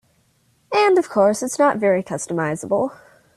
And of course, it's not very customizable.